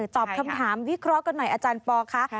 ตอบคำถามวิเคราะห์กันหน่อยอาจารย์ปอลค่ะ